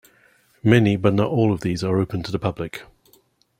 Many, but not all, of these are open to the public.